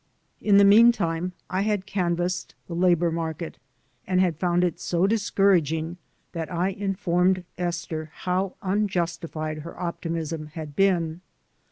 In the mean time I had canvassed the labor market and had found it so discouraging that I informed Esther how unjustified her optimism had been.